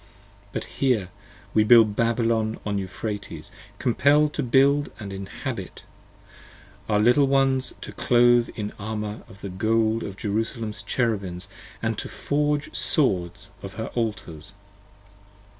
But here we build Babylon on Euphrates, compell'd to build And to inhabit, our Little ones to clothe in armour of the gold 10 Of Jerusalem's Cherubims & to forge them swords of her Altars.